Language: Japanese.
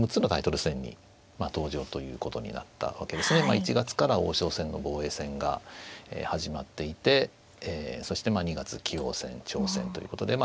１月から王将戦の防衛戦が始まっていてそしてまあ２月棋王戦挑戦ということでまあ